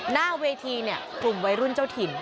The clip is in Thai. หน้าเวทีเนี่ยกลุ่มวัยรุ่นเจ้าถิ่น